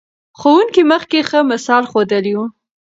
ښوونکي مخکې ښه مثال ښودلی و.